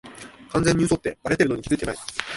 完全に嘘ってバレてるのに気づいてない